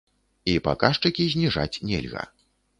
І паказчыкі зніжаць нельга.